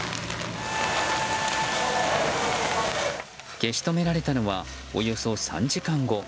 消し止められたのはおよそ３時間後。